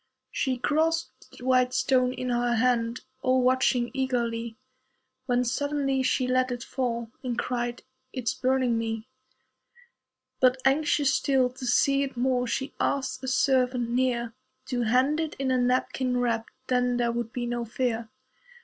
She grasped the "white stone" in her hand, All watching eagerly, When suddenly she let it fall, And cried, "It's burning me." But, anxious still to see it more, She asked a servant near To hand it in a napkin wrapped Then there would be no fear.